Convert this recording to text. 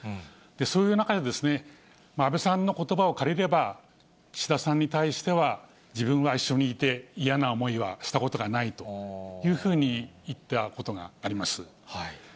そういう中で安倍さんのことばを借りれば、岸田さんに対しては、自分は一緒にいて嫌な思いはしたことがないというふうに言ったことがあります。